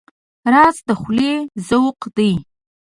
رس د خولې ذوق دی